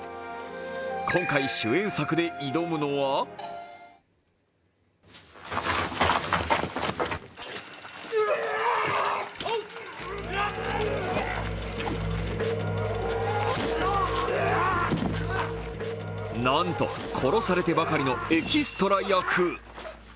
今回、主演作で挑むのはなんと殺されてばかりのエキストラ役。